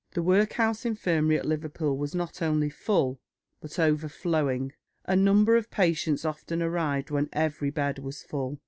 The workhouse infirmary at Liverpool was not only full, but overflowing; a number of patients often arrived when every bed was full.